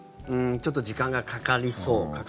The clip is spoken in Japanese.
ちょっと時間がかかりそう。